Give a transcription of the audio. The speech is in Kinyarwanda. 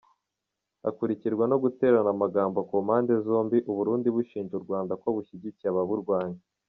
Hakurikirwa no guterana amagambo ku mpande zombi. Uburundi bushinja Urwanda ko bushyigikiye ababurwanya.